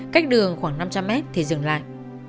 cách đường khoảng năm trăm linh mét thì dừng lại